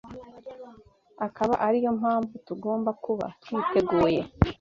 akaba ariyo mpamvu tugomba kuba twiteguye